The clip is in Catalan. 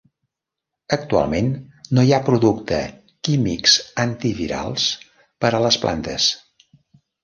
Actualment no hi ha producte químics antivirals per a les plantes.